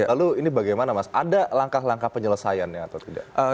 lalu ini bagaimana mas ada langkah langkah penyelesaiannya atau tidak